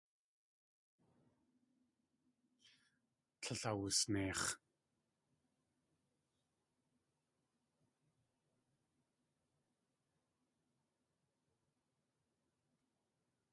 Tlél awusneix̲.